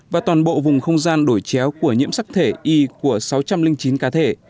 và toàn bộ vùng không gian đổi chéo của nhiễm sắc thể y của sáu trăm linh chín cá thể